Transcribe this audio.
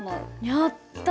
やった！